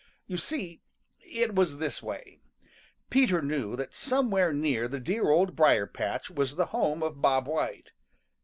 You see, it was this way: Peter knew that somewhere near the dear Old Briar patch was the home of Bob White.